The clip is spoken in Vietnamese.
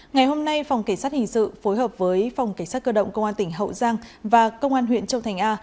ngày hôm nay phòng cảnh sát hình sự phối hợp với phòng cảnh sát cơ động công an tỉnh hậu giang và công an huyện châu thành a